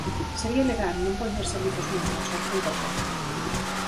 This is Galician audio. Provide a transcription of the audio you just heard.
Sería ilegal non poñer servizos mínimos ao cen por cento.